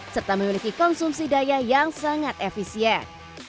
serta memiliki konsumsi daya yang sangat efisien